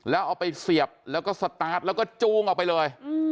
แล้วเอาไปเสียบแล้วก็สตาร์ทแล้วก็จูงออกไปเลย